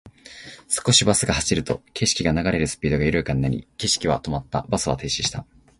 少しバスが走ると、景色が流れるスピードが緩やかになり、景色は止まった。バスは停止した。